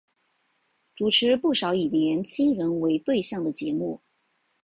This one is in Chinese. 主持不少以年青人为对象的节目。